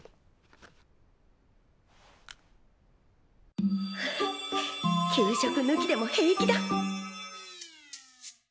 心の声フフッ給食ぬきでも平気だ！